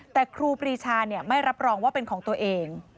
แต่ครูปรีชาไม่รับรองว่าเป็นของตัวเอง